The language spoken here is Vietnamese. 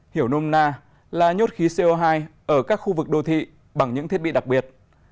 hiểu nôm na là nhốt khí co hai ở các khu vực đô thị bằng những thiết bị đặc biệt